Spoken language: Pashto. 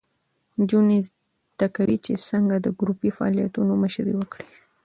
نجونې زده کوي چې څنګه د ګروپي فعالیتونو مشري وکړي.